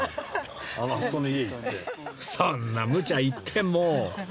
そんなむちゃ言ってもう！